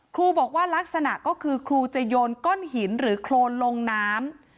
ครูบอกว่าลักษณะก็คือครูจะโยนก้อนหินหรือโครนลงน้ำ